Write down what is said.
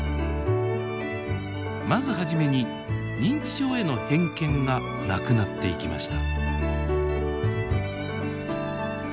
まず初めに認知症への偏見がなくなっていきました。